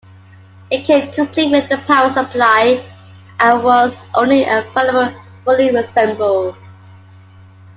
It came complete with a power supply, and was only available fully assembled.